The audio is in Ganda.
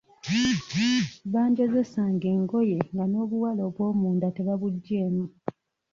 Banjozesanga engoye nga n'obuwale obwomunda tebabuggyeemu.